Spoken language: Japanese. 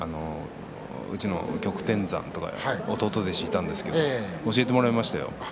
うちの旭天山とか弟弟子がいたんですけど教えてもらいましたよ。